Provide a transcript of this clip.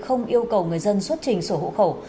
không yêu cầu người dân xuất trình sổ hộ khẩu